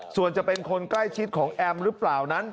ส่วนจะเป็นคนใกล้ชิดของแอมหรือเปล่านั้น